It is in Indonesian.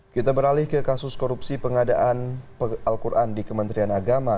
kita beralih ke kasus korupsi pengadaan al quran di kementerian agama